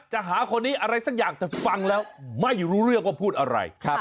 หาคนนี้อะไรสักอย่างแต่ฟังแล้วไม่รู้เรื่องว่าพูดอะไร